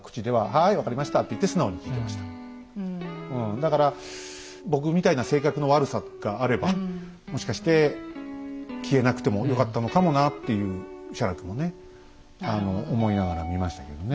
だから僕みたいな性格の悪さがあればもしかして消えなくてもよかったのかもなっていう写楽もね思いながら見ましたけどね。